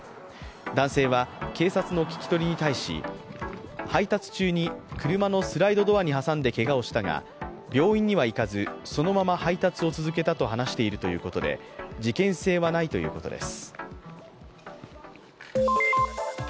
男性は警察の聞き取りに対し配達中に車のスライドドアに挟んでけがをしたが病院には行かず、そのまま配達を続けたと話しているということで事件性はないということです。